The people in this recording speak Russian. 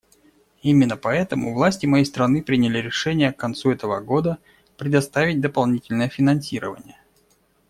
Именно поэтому власти моей страны приняли решение к концу этого года предоставить дополнительное финансирование.